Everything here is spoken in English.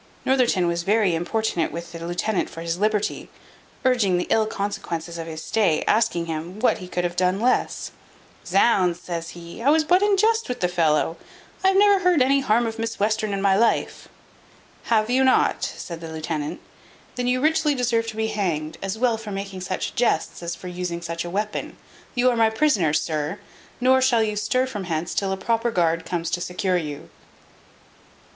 Northerton was very importunate with the lieutenant for his liberty; urging the ill consequences of his stay, asking him, what he could have done less? "Zounds!" says he, "I was but in jest with the fellow. I never heard any harm of Miss Western in my life." "Have not you?" said the lieutenant; "then you richly deserve to be hanged, as well for making such jests, as for using such a weapon: you are my prisoner, sir; nor shall you stir from hence till a proper guard comes to secure you."